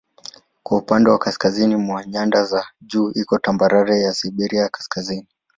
Kwa upande wa kaskazini mwa nyanda za juu iko tambarare ya Siberia ya Kaskazini.